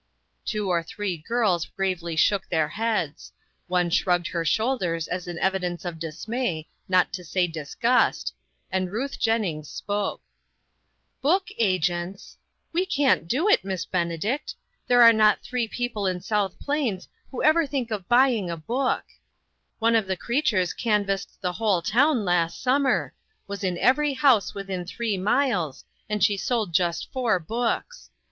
Two or three girls gravely shook their heads ; one shrugged her shoulders as an evidence of dismay, not to say disgust, and Ruth Jennings spoke :" Book agents ! We 'can't do it, Miss Benedict. There are not three people in MAKING OPPORTUNITIES. Ill South Plains who ever think of buying a book. One of the creatures canvassed the whole town last summer; was in every house within three miles, and she sold just four books.